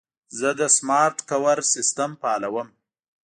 زه د سمارټ کور سیسټم فعالوم.